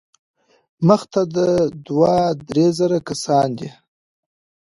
سخته ده، دوه، درې زره کسان دي.